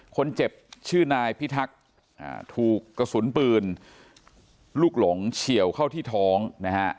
คนเจ็บชื่อนายพิทักษ์ถูกกระสุนปืนลูกหลงเฉียวเข้าที่ท้องนะฮะ